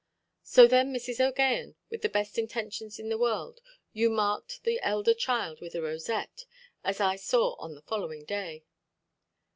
"So then, Mrs. OʼGaghan, with the best intentions in the world, you marked the elder child with a rosette, as I saw on the following day".